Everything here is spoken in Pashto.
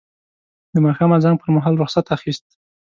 د ماښام اذان پر مهال رخصت اخیست.